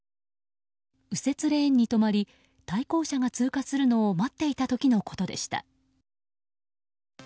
右折レーンに止まり対向車が通過するのを待っていた時のことでした。